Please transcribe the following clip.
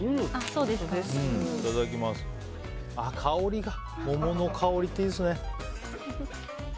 香りが、桃の香りっていいですね。